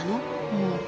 うん。